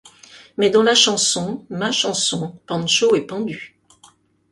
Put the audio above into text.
Mais dans la chanson, ma chanson, Pancho est pendu.